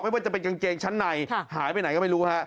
ว่าจะเป็นกางเกงชั้นในหายไปไหนก็ไม่รู้ฮะ